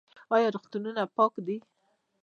آیا روغتونونه پاک دي؟